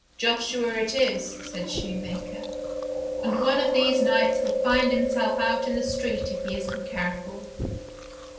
" Joshua it is," said shoemaker ;" and one of these nights he'll find himself out in the street if he isn't careful."